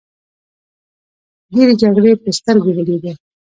ډیرې جګړې په سترګو ولیدې.